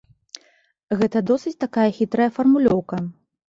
Гэта досыць такая хітрая фармулёўка.